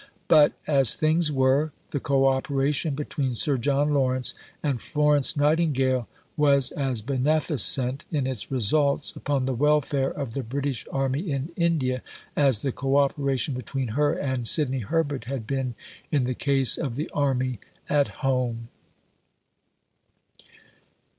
But, as things were, the co operation between Sir John Lawrence and Florence Nightingale was as beneficent in its results upon the welfare of the British Army in India, as the co operation between her and Sidney Herbert had been in the case of the Army at home.